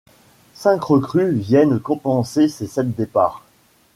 Cinq recrues viennent compenser ces sept départs.